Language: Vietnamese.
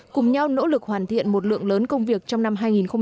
cùng nhau nỗ lực hoàn thiện một lượng lớn công việc trong năm hai nghìn một mươi sáu